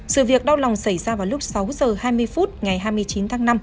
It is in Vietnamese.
sự việc đau lòng xảy ra vào lúc sáu h hai mươi phút ngày hai mươi chín tháng năm